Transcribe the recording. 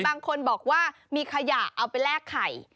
บางคนบอกว่ามีขยะเอาไปแลกไข่